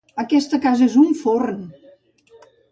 Aquesta casa és un forn!